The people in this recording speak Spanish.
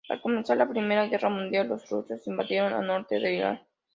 Al comenzar la Primera Guerra Mundial, los rusos invadieron el norte de Irán.